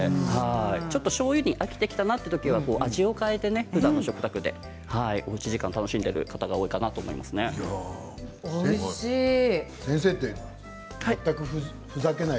ちょっとしょうゆに飽きてきたなというときは味を変えてふだんの食卓でおうち時間を楽しんでいる方がおいしい。